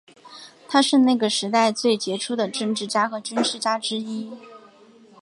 他是那个时代最杰出的政治家和军事家之一。